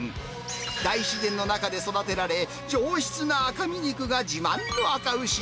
大自然の中で育てられ、上質な赤身肉が自慢の赤牛。